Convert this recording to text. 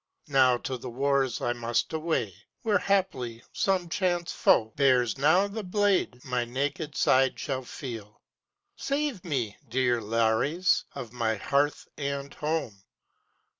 Now to the wars I must away, where haply some chance foe Bears now the blade my naked side shall feel. Save me, dear Lares of my hearth and home!